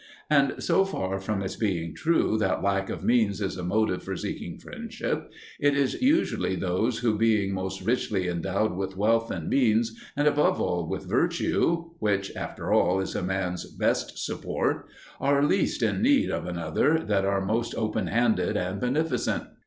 And so far from its being true that lack of means is a motive for seeking friendship, it is usually those who being most richly endowed with wealth and means, and above all with virtue (which, after all, is a man's best support), are least in need of another, that are most openhanded and beneficent.